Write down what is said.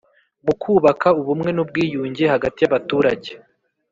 mu kubaka ubumwe n'ubwiyunge hagati y'abaturage